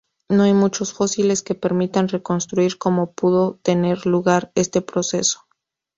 No hay muchos fósiles que permitan reconstruir cómo pudo tener lugar este proceso.